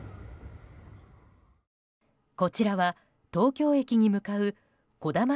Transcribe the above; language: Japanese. こちらは東京駅に向かう「こだま」